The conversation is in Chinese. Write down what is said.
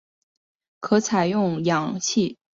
可采用氧气治疗。